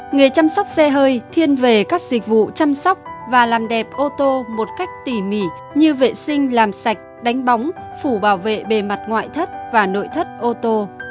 nghề chăm sóc xe hơi thiên về các dịch vụ chăm sóc và làm đẹp ô tô một cách tỉ mỉ như vệ sinh làm sạch đánh bóng phủ bảo vệ bề mặt ngoại thất và nội thất ô tô